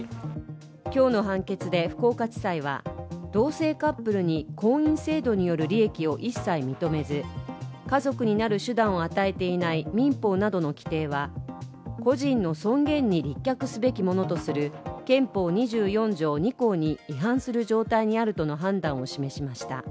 今日の判決で福岡地裁は同性カップルに婚姻制度による利益を一切認めず、家族になる手段を与えていない民法などの規定は個人の尊厳に立脚すべきものとする憲法２４条２項に違反する状態にあるとの判断を示しました。